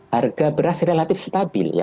harga beras relatif stabil